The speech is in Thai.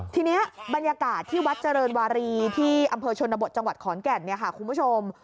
ทีนี้บรรยากาศที่วัดเจริญวารีที่อำเภอชนบทจังหวัดขอนแก่นเนี่ยค่ะคุณผู้ชม